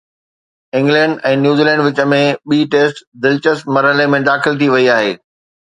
England ۽ New Zealand وچ ۾ ٻي test دلچسپ مرحلي ۾ داخل ٿي وئي آهي